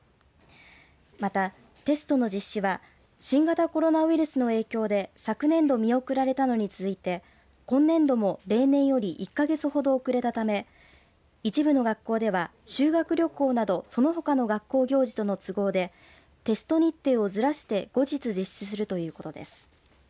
また、テストの実施は新型コロナウイルスの影響で昨年度、見送られたのに続いて今年度も例年より１か月ほど遅れたため一部の学校では修学旅行など、そのほかの学校行事との都合でテスト日程をずらして後日実施するということです。